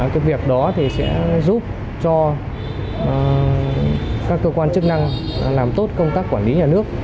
cái việc đó thì sẽ giúp cho các cơ quan chức năng làm tốt công tác quản lý nhà nước